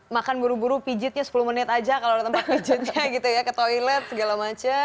makan buru buru pijitnya sepuluh menit aja kalau ada tempat pijitnya gitu ya ke toilet segala macem